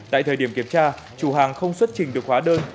tại thời điểm kiểm tra chủ hàng không xuất trình được hóa đơn